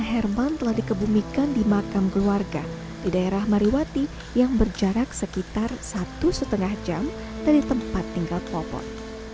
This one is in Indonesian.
herman telah dikebumikan di makam keluarga di daerah mariwati yang berjarak sekitar satu lima jam dari tempat tinggal popon